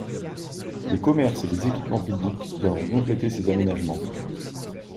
Des commerces et des équipements publics viendront compléter ces aménagements.